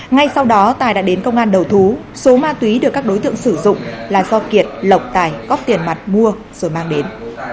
ngay sau đó tài đã đến công an đầu thú số ma túy được các đối tượng sử dụng là do kiệt lộc tài có tiền mặt mua rồi mang đến